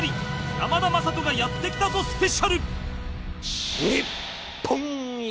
山田雅人がやって来たぞスペシャル！